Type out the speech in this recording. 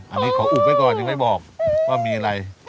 อันนี้ขออุบไว้ก่อนยังไม่บอกว่ามีอะไร